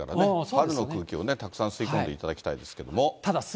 春の空気をたくさん吸い込んでいただきたいですけども。